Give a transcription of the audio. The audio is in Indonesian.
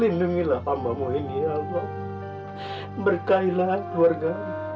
lindungilah amamu ini allah berkailah keluarga